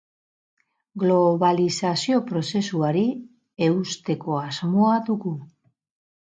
Globalizazio prozesuari eusteko asmoa dugu.